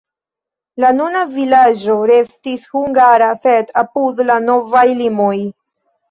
La nuna vilaĝo restis hungara, sed apud la novaj limoj.